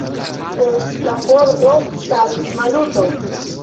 Post la pordo staris Maluto.